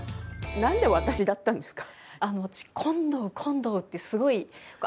何で私だったんですか？